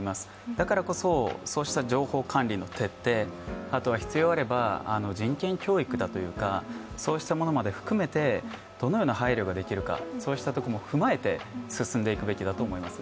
だからこそ、そうした情報管理の徹底必要があれば人権教育だというか、そうしたものまで含めてどのような配慮ができるかというところも踏まえて進んでいくべきだと思います。